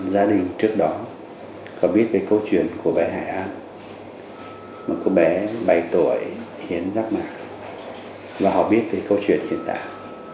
gia đình trước đó có biết về câu chuyện của bé hải an một cô bé bảy tuổi hiến rác mạc và họ biết về câu chuyện hiện tại